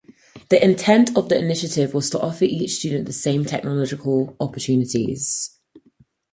The intent of the initiative was to offer each student the same technological opportunities.